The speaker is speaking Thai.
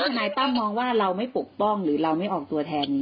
หลังทนายตั้มประกาศถอนตัวเราก็ถาม